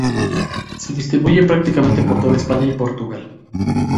Se distribuye prácticamente por toda España y Portugal.